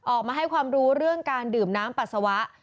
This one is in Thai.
ออกมาให้ความรู้เรื่องการดื่มน้ำปัสสาวะ